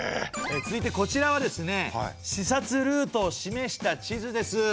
続いてこちらはですね視察ルートを示した地図です。